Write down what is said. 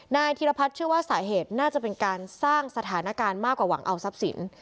ธีรพัฒน์เชื่อว่าสาเหตุน่าจะเป็นการสร้างสถานการณ์มากกว่าหวังเอาทรัพย์สิน